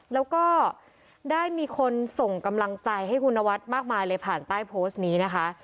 แล้วก็ได้มีคนส่งกำลังใจให้คุณนวัดมากมายเลยผ่านใต้โพสต์นี้นะคะ